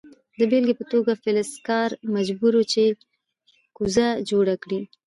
د بیلګې په توګه فلزکار مجبور و چې کوزه جوړه کړي.